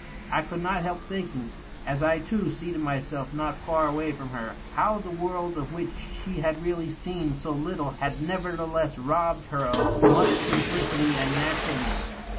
I could not help thinking, as I too seated myself not far away from her, how the world of which she had really seen so little had nevertheless robbed her of much simplicity and naturalness.